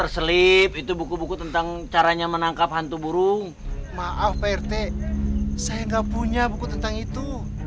selip itu buku buku tentang caranya menangkap hantu burung maaf prt saya nggak punya buku tentang itu